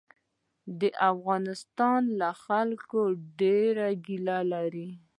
د افغانستان له خلکو ډېره ګیله لري.